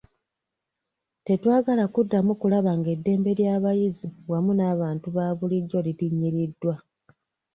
Tetwagala kuddamu kulaba ng'eddembe ly'abayizi wamu n'abantu babulijjo lirinyiriddwa.